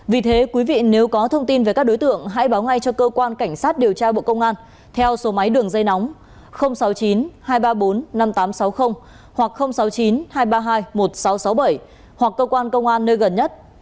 vì thế quý vị nếu có thông tin về các đối tượng hãy báo ngay cho cơ quan cảnh sát điều tra bộ công an theo số máy đường dây nóng sáu mươi chín hai trăm ba mươi bốn năm nghìn tám trăm sáu mươi hoặc sáu mươi chín hai trăm ba mươi hai một nghìn sáu trăm sáu mươi bảy hoặc cơ quan công an nơi gần nhất